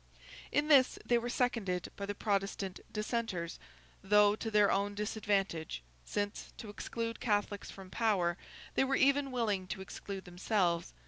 In this they were seconded by the Protestant Dissenters, though to their own disadvantage: since, to exclude Catholics from power, they were even willing to exclude themselves.